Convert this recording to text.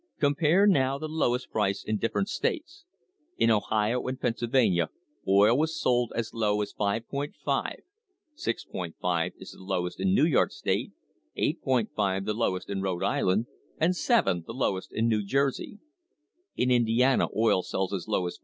Compare, now, the lowest price in different states. In Ohio and Pennsylvania oil was sold as low as 5.50; 6.50 is the lowest in New York State, 8.50 the lowest in Rhode Island, and 7 the lowest in New Jersey. In Indiana oil sells as low as 5.